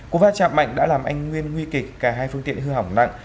cú va chạm mạnh đã làm anh nguyên nguy kịch cả hai phương tiện hư hỏng nặng